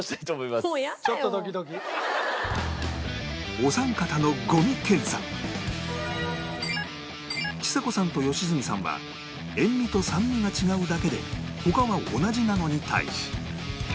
お三方の五味検査ちさ子さんと良純さんは塩味と酸味が違うだけで他は同じなのに対し